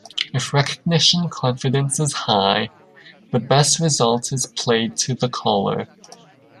If recognition confidence is high, the best result is played to the caller.